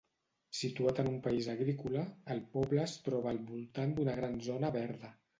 Situat en un país agrícola, el poble es troba al voltant d'una gran zona verda.